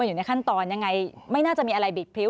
อยู่ในขั้นตอนยังไงไม่น่าจะมีอะไรบิดพริ้ว